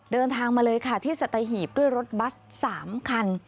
เดินทางมาเลยค่ะที่สัตหีบด้วยรถบัส๓คัน